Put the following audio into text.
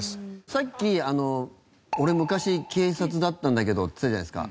さっき「俺昔警察だったんだけど」っつってたじゃないですか。